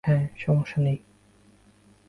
হ্যাঁ, সমস্যা নেই।